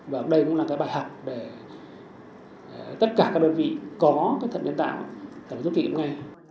và đây cũng là bài học để tất cả các đơn vị có thật nhân tạo để giúp chị nghe